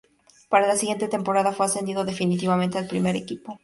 Para la siguiente temporada, fue ascendido definitivamente al primer equipo.